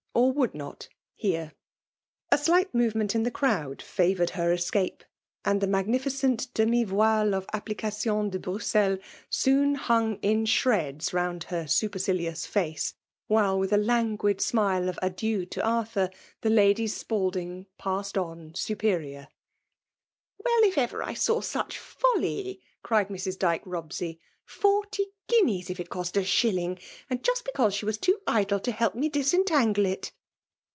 or wQuld not, .^c«ir. A slight movement in the crowd favou^ed;^^ escape; and the magnificent iflt^m^ vct^e of (^ plication de Bruxelles soon hung itt/ shrie;;^ round her suj^ercilious face, whil^, wi^^ ^.}^* guid smile of adieu to Arthur, the Ladi^ Spalding passed on superior^. . j " Well, if ever I saw such folly !" crioc^ Mrs. Dyke Robsey, " Forty guineas, if it cost, a shilling ; and just because she was too idjlfj J^ help me disentangle it